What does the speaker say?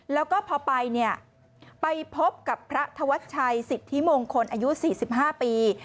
แล้วก็พอไปเนี่ยไปพบกับพระธวัชชัยสิทธิมงคลอายุ๔๕ปี